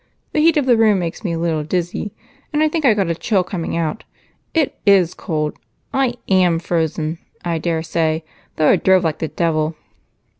The heat of the room makes me a little dizzy, and I think I got a chill coming out. It is cold I am frozen, I daresay though I drove like the devil."